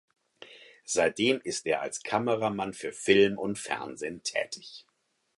Seitdem ist er als Kameramann für Film und Fernsehen tätig.